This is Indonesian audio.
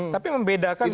tapi membedakan itu